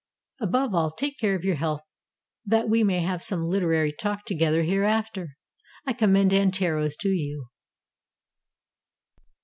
Above all, take care of your health, that we may have some literary talk together hereafter. I commend Anteros to you.